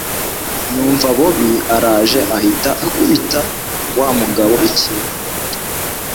numva bobi araje ahita akubita wamugabo ikintu mumutwe